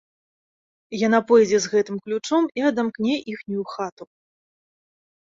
Яна пойдзе з гэтым ключом і адамкне іхнюю хату.